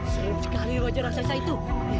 seram sekali wajah raksasa itu